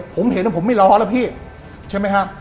ผมเห็นว่าผมไม่ร้อหรอกพี่ใช่ไหมครับ